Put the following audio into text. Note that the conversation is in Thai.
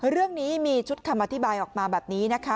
เรื่องนี้มีชุดคำอธิบายออกมาแบบนี้นะคะ